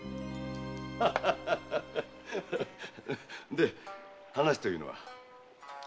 で話というのは？